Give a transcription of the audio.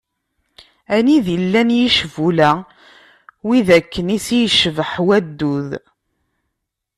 Anida i llan yicbula, wid akken i ssi yecbeḥ waddud.